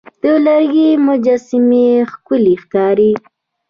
د لرګي مجسمې ښکلي ښکاري.